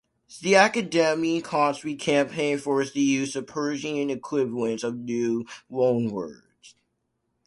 The academy constantly campaigns for the use of Persian equivalents of new loanwords.